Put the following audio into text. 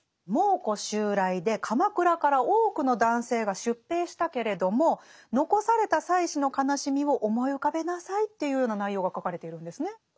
蒙古襲来で鎌倉から多くの男性が出兵したけれども残された妻子の悲しみを思い浮かべなさいというような内容が書かれているんですね。